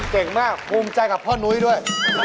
เก่งมากภูมิใจกับพ่อนุ้ยด้วย